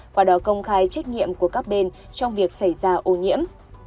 qua đó công khai trách nhiệm của các bên trong việc xảy ra ô nhiễm